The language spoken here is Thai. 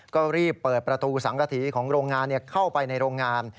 ก็รีบเปิดประตูสังกฐีของโรงงานเข้าไปในโรงงาน